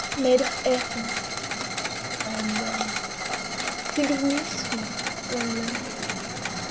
Maid of Athens! I am gone:Think of me, sweet! when alone.